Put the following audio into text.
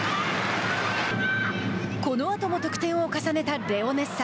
このあとも得点を重ねたレオネッサ。